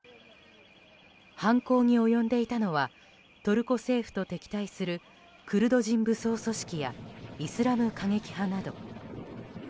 犯行に及んでいたのはトルコ政府と敵対するクルド人武装組織やイスラム過激派など。